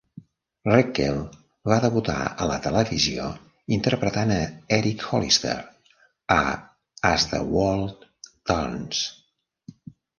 Reckell va debutar a la televisió interpretant a Eric Hollister a "As the World Turns".